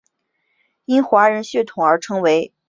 因华人血统而成为中华队一员。